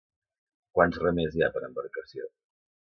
Quants remers hi ha per embarcació?